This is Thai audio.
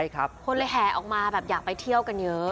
คนเลยแห่ออกมาแบบอยากไปเที่ยวกันเยอะ